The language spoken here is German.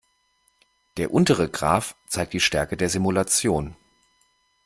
Der untere Graph zeigt die Stärke der Stimulation.